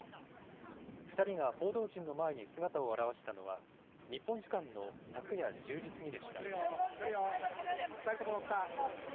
２人が報道陣の前に姿を現したのは、日本時間の昨夜１０時過ぎでした。